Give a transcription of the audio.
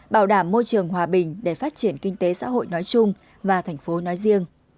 bảo đảm môi trường hòa bình để phát triển kinh tế xã hội nói chung và thành phố nói riêng